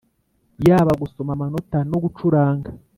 yaba gusoma amanota no gucuranga